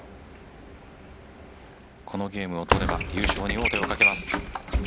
このゲームを取れば優勝に王手をかけます。